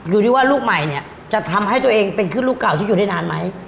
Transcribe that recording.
อยู่ที่ว่าลูกใหม่เนี่ยจะทำให้ตัวเองเป็นขึ้นลูกเก่าที่อยู่ได้นานไหม